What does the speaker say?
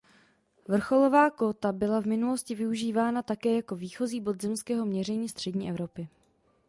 Vrcholová kóta byla v minulosti využívána také jako výchozí bod zemského měření střední Evropy.